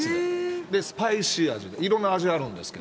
スパイシー味で、いろんな味あるんですけど。